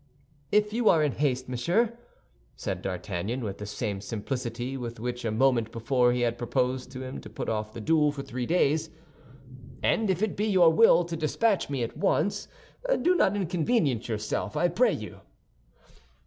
"If you are in haste, monsieur," said D'Artagnan, with the same simplicity with which a moment before he had proposed to him to put off the duel for three days, "and if it be your will to dispatch me at once, do not inconvenience yourself, I pray you."